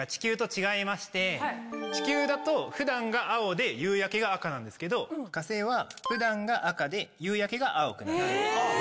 地球だと普段が青で夕焼けが赤なんですけど火星は普段が赤で夕焼けが青くなる。